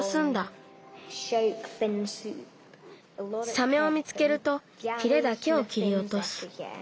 サメを見つけるとヒレだけをきりおとす。